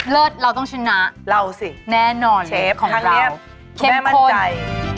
เลิศเราต้องชนะแน่นอนของเราเชฟทั้งนี้คุณแม่มั่นใจ